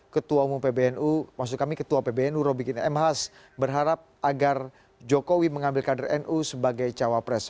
ketua umum pbnu maksud kami ketua pbnu robikin m has berharap agar jokowi mengambil kader nu sebagai cawapres